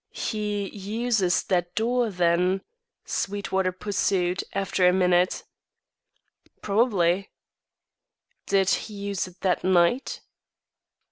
"He uses that door, then?" Sweetwater pursued, after a minute. "Probably." "Did he use it that night?"